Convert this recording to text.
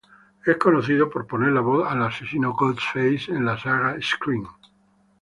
Es conocido por poner la voz al asesino Ghostface en la saga Scream.